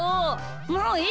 もういい！